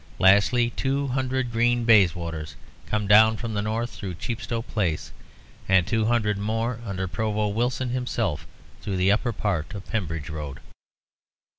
Lastly, two hundred green Bayswaters come down from the North through Chepstow Place, and two hundred more under Provost Wilson himself, through the upper part of Pembridge Road.